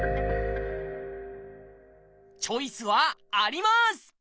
チョイスはあります！